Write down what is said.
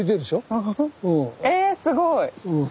えすごい。